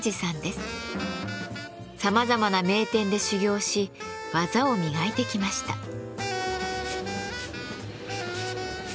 さまざまな名店で修業し技を磨いてきました。